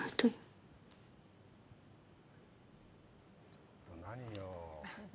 ちょっと何よ